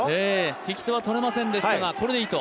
利き手はとれませんでしたがこれでいいと。